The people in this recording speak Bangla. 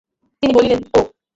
তিনি বললেন, ও ।